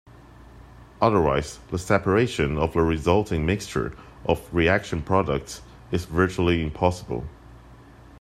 Otherwise, the separation of the resulting mixture of reaction products is virtually impossible.